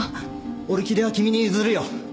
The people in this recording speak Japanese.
オルキデは君に譲るよ。